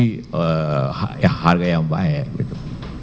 ini harga yang baik gitu